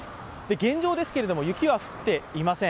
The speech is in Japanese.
現状ですが雪は降っていません。